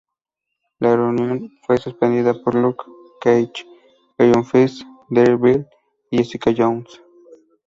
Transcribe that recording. La reunión fue suspendida por Luke Cage, Iron Fist, Daredevil y Jessica Jones.